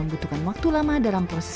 membutuhkan waktu lama dalam proses